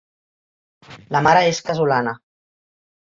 La mare és casolana.